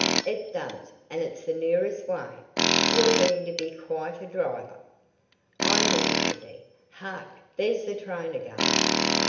"It does, and it's the nearest way. You're getting to be quite a driver." "I mean to be. Hark, there's the train again!"